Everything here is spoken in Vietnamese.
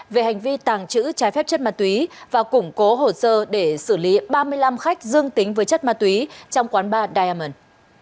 về hành vi tàng trữ trái phép chất ma túy và củng cố hồ sơ để xử lý ba mươi năm khách dương tính với chất ma túy trong quán bar diamon